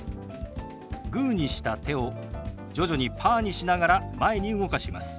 グーにした手を徐々にパーにしながら前に動かします。